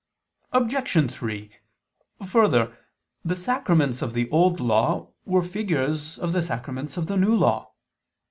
Obj. 3: Further, the sacraments of the Old Law were figures of the sacraments of the New Law.